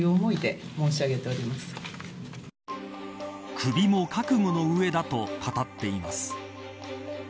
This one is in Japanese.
クビも覚悟の上だと語っています。